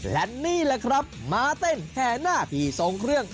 และนี่แหละครับมาเต้นแห่หน้าพี่ทรงเครื่อง